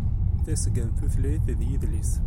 Tasga n Tutlayt d Yidles.